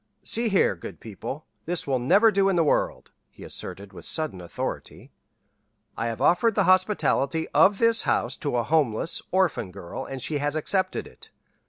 "See here, good people, this will never do in the world," he asserted with sudden authority. "I have offered the hospitality of this house to a homeless, orphan girl, and she has accepted it.